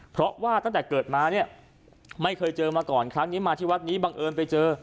เพราะว่าตั้งแต่เกิดมาเนี่ยไม่เคยเจอมาก่อนครั้งนี้มาที่วัดนี้บังเอิญไปเจอ